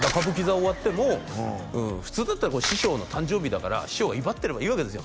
終わっても普通だったら師匠の誕生日だから師匠は威張ってればいいわけですよ